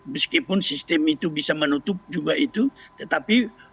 meskipun sistem itu bisa menutup juga itu tetapi